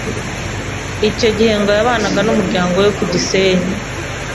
Icyo yihe ngo yabanaga n’umuryango we ku Gisenyi